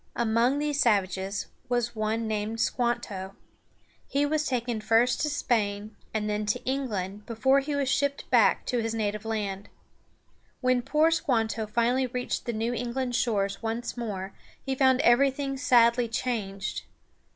Among these savages was one named Squan´to. He was taken first to Spain and then to England before he was shipped back to his native land. When poor Squanto finally reached the New England shores once more he found everything sadly changed.